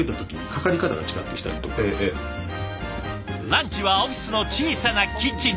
ランチはオフィスの小さなキッチンで。